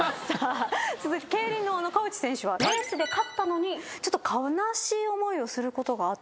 続いて競輪の河内選手はレースで勝ったのに悲しい思いをすることがあったと。